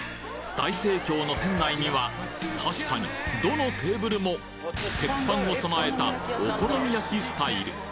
大盛況の店内にはたしかにどのテーブルも鉄板を備えたお好み焼きスタイル